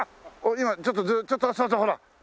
今ちょっとちょっとそうそうほら。